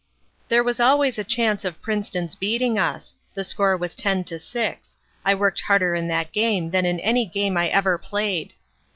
"There was always a chance of Princeton's beating us. The score was 10 to 6. I worked harder in that game than in any game I ever played.